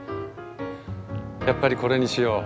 やっぱりこれにしよう。